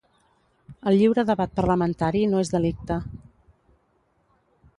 El lliure debat parlamentari no és delicte.